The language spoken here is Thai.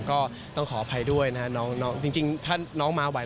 ก็ต้องขออภัยด้วยนะฮะน้องจริงถ้าน้องมาไหว